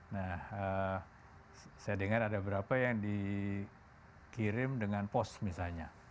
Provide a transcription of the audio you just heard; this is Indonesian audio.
nah saya dengar ada berapa yang dikirim dengan pos misalnya